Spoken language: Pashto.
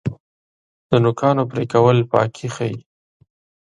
د نوکانو پرې کول پاکي ښیي.